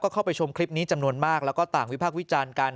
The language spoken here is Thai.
เข้าไปชมคลิปนี้จำนวนมากแล้วก็ต่างวิพากษ์วิจารณ์กัน